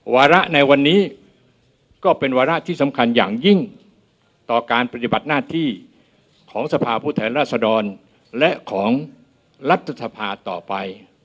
วาระในวันนี้ก็เป็นวาระที่สำคัญอย่างยิ่งต่อการปฏิบัติหน้าที่ของสภาผู้แทนราษดรและของรัฐสภาต่อไป